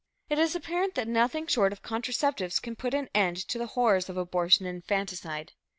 It is apparent that nothing short of contraceptives can put an end to the horrors of abortion and infanticide.